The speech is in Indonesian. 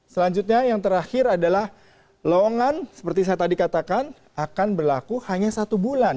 selanjutnya yang terakhir adalah lowongan seperti saya tadi katakan akan berlaku hanya satu bulan